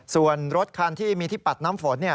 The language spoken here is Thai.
ส่วนรถคันที่มีที่ปัดน้ำฝน